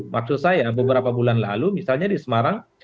maksud saya beberapa bulan lalu misalnya di semarang